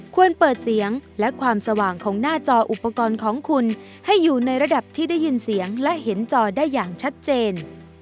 ควรเปิดเสียงและความสว่างของหน้าจออุปกรณ์ของคุณให้อยู่ในระดับที่ได้ยินเสียงและเห็นจอได้อย่างชัดเจน